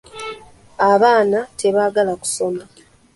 Abaana tebagala kusoma.